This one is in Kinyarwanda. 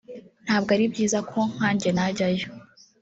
ntabwo ari byiza ko nkanjye najyayo